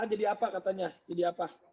a'a jadi apa katanya jadi apa